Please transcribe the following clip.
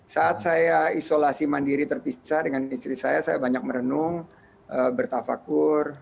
saat saya isolasi mandiri terpisah dengan istri saya saya banyak merenung bertafakur